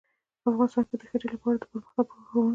افغانستان کې د ښتې لپاره دپرمختیا پروګرامونه شته.